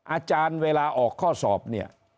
อาจารย์เวลาออกข้อสอบเนี่ย